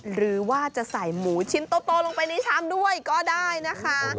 หรือว่าจะใส่หมูชิ้นโตลงไปในชามด้วยก็ได้นะคะ